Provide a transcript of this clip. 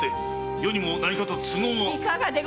余にも何かと都合が。